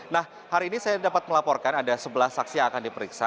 nah hari ini saya dapat melaporkan ada sebelas saksi yang akan diperiksa